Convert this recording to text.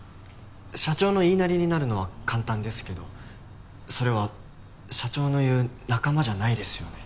社長の言いなりになるのは簡単ですけどそれは社長の言う「仲間」じゃないですよね？